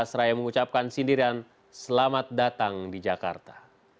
seraya mengucapkan sindiran selamat datang di jakarta